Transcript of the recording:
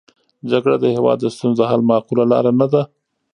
جګړه د هېواد د ستونزو د حل معقوله لاره نه ده.